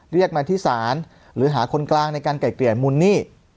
เรียกมาที่ศาลหรือหาคนกลางในการไกลเกลี่ยมูลหนี้